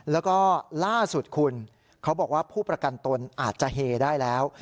แล้วก็ล่าสุดคุณเขาบอกว่าผู้ประกันตนอาจจะเฮได้แล้ว